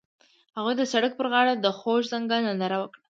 هغوی د سړک پر غاړه د خوږ ځنګل ننداره وکړه.